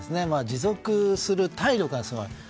持続する体力がすごい。